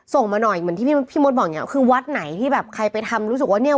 มาหน่อยเหมือนที่พี่มดบอกอย่างเงี้คือวัดไหนที่แบบใครไปทำรู้สึกว่าเนี่ย